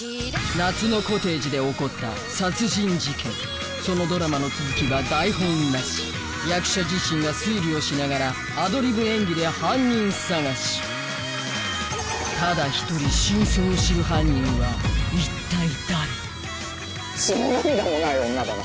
夏のコテージで起こった殺人事件そのドラマの続きが台本なし役者自身が推理をしながらアドリブ演技で犯人さがしただ１人血も涙もない女だな。